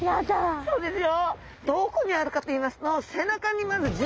そうですね。